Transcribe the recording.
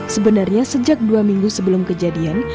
sebenarnya sejak dua minggu sebelum kejadian